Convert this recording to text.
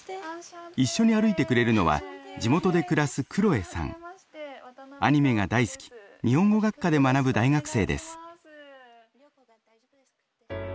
一緒に歩いてくれるのは地元で暮らすアニメが大好き日本語学科で学ぶ大学生です。